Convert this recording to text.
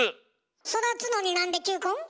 育つのになんで球根？